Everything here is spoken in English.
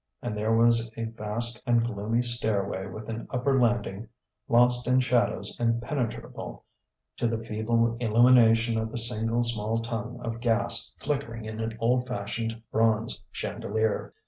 And there was a vast and gloomy stairway with an upper landing lost in shadows impenetrable to the feeble illumination of the single small tongue of gas flickering in an old fashioned bronze chandelier.